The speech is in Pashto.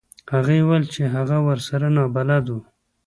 هغې وویل چې هغه ورسره نابلده و.